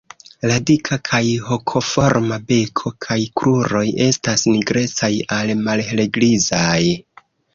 La dika kaj hokoforma beko kaj kruroj estas nigrecaj al malhelgrizaj.